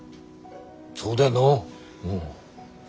そうだよな。